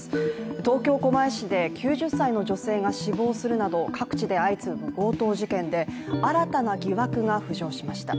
東京・狛江市で９０歳の女性が死亡するなど各地で相次ぐ強盗事件で新たな疑惑が浮上しました。